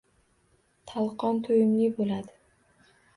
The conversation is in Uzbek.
Tolqon to‘yimli bo‘ladi.